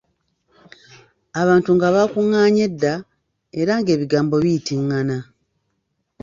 Abantu nga baakungaanye dda, era ng'ebigambo biyitingana.